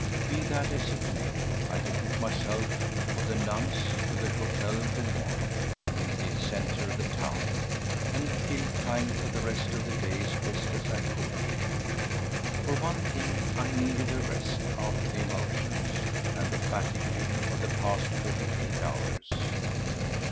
Be that as it may, I betook myself for the nonce to the Hôtel des Moines in the centre of the town and killed time for the rest of the day as best I could. For one thing I needed rest after the emotions and the fatigue of the past forty eight hours.